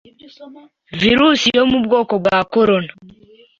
virus yo mu bwoko bwa Corona